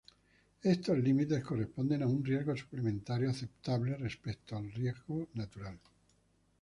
Estos límites corresponden a un riesgo suplementario aceptable respecto al riesgo natural.